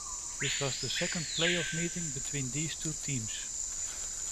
This was the second playoff meeting between these two teams.